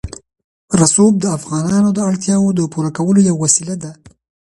رسوب د افغانانو د اړتیاوو د پوره کولو یوه وسیله ده.